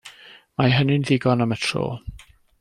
Mae hynny'n ddigon am y tro.